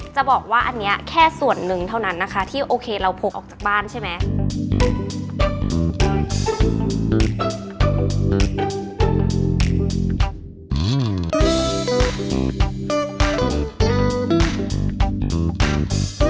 จะบอกว่าอันนี้แค่ส่วนหนึ่งเท่านั้นนะคะที่โอเคเราพกออกจากบ้านใช่ไหม